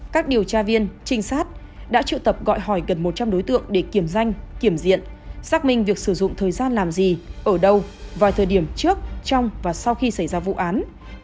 các điều tra viên trinh sát đã triệu tập gọi hỏi gần một trăm linh đối tượng để kiểm danh kiểm diện xác minh việc sử dụng thời gian làm gì ở đâu vào thời điểm trước trong và sau khi xảy ra vụ án